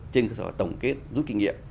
trên cơ sở tổng kết rút kinh nghiệm